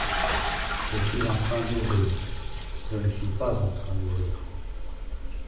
Je suis en train d’ouvrir, je ne suis pas en train d’ouvrir.